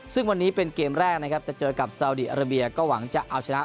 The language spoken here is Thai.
ซึ่งวันนี้เป็นเกมแรกนะครับจะเจอกับซาวดีอาราเบียก็หวังจะเอาชนะ